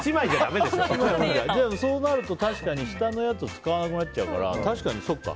そうなると下のやつを使わなくなっちゃうから確かにそうか。